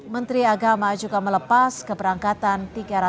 menteri agama juga melepas keberangkatan